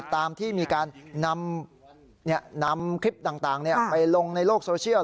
ตามที่มีการนำคลิปต่างไปลงในโลกโซเชียล